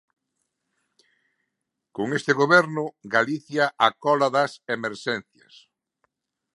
Con este goberno, Galicia á cola das emerxencias.